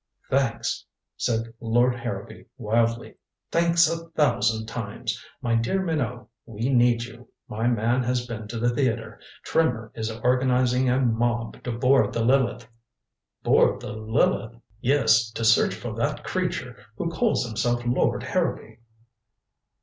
"Thanks," said Lord Harrowby wildly. "Thanks a thousand times. My dear Minot we need you. My man has been to the theater Trimmer is organizing a mob to board the Lileth!" "Board the Lileth?" "Yes to search for that creature who calls himself Lord Harrowby."